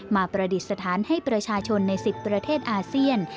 ประดิษฐานให้ประชาชนใน๑๐ประเทศอาเซียน